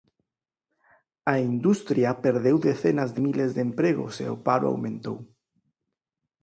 A industria perdeu decenas de miles de empregos e o paro aumentou.